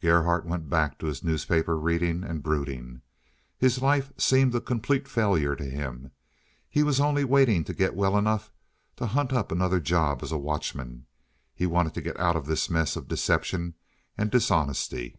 Gerhardt went back to his newspaper reading and brooding. His life seemed a complete failure to him and he was only waiting to get well enough to hunt up another job as watchman. He wanted to get out of this mess of deception and dishonesty.